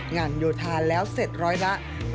งานโยธาแล้วเสร็จร้อยละ